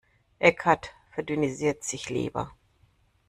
Eckhart verdünnisiert sich lieber.